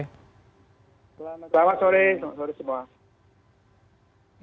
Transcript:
selamat sore semua